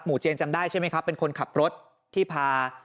เจียนจำได้ใช่ไหมครับเป็นคนขับรถที่พา